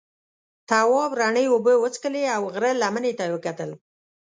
تواب رڼې اوبه وڅښلې او غره لمنې ته یې وکتل.